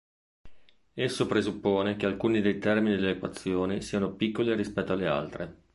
Esso presuppone che alcuni dei termini delle equazioni siano piccole rispetto alle altre.